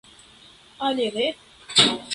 Alie ne?